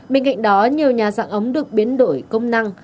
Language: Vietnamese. bên cạnh đó nhiều nhà dạng ống được biến đổi công năng